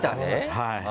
はい。